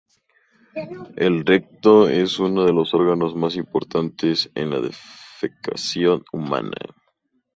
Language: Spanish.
El recto es uno de los órganos más importantes en la defecación humana.